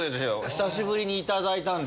久しぶりに頂いたんで。